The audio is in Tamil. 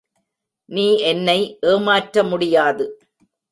நீ என்னை ஏமாற்ற முடியாது.